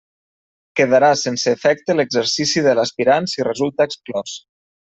Quedarà sense efecte l'exercici de l'aspirant si resulta exclòs.